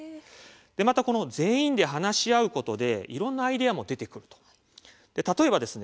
また全員で話し合うことでいろんなアイデアも出てくるということです。